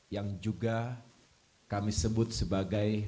yang juga kami sebut sebagai